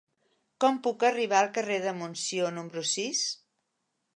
Com puc arribar al carrer de Montsió número sis?